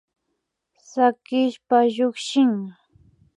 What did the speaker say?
Sakishpa llukshin